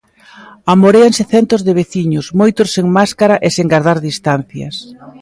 Amoréanse centos de veciños, moitos sen máscara e sen gardar distancias.